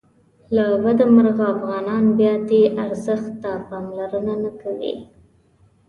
له بده مرغه افغانان بیا دې ارزښت ته پاملرنه نه کوي.